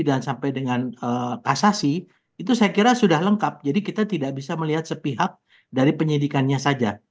dan sampai dengan kasasi itu saya kira sudah lengkap jadi kita tidak bisa melihat sepihak dari penyidikannya saja